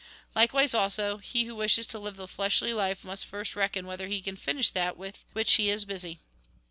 " Likewise also, he who wishes to live the fleshly life must first reckon whether he can finish that with which he is busy.